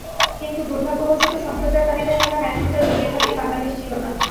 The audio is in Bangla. কিন্তু দুর্ভাগ্যবশত সম্প্রচার তালিকায় থাকা ম্যাচগুলোর বেশির ভাগেই বাংলাদেশ ছিল না।